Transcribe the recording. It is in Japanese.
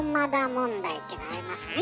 問題っていうのがありますね。